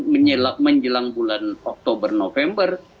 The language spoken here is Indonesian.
menjelang bulan oktober november